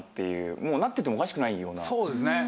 もうなっててもおかしくないような人ですよね。